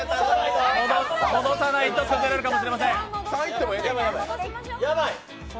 戻さないと崩れるかもしれません。